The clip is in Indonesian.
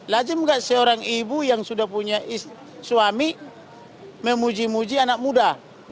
lazim nggak seorang ibu yang sudah punya suami memuji muji anak muda